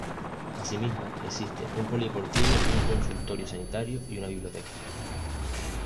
Asimismo, existe un polideportivo, un consultorio sanitario y una biblioteca